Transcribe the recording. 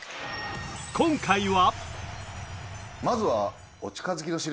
今回は。